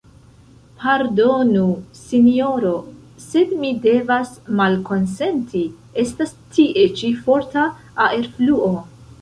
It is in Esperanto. Pardonu, Sinjoro, sed mi devas malkonsenti, estas tie ĉi forta aerfluo.